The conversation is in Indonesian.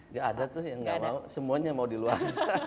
dia ada tuh yang nggak mau semuanya mau di luar